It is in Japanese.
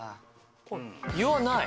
言わない。